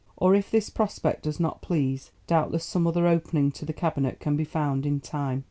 Or if this prospect does not please doubtless some other opening to the Cabinet can be found in time.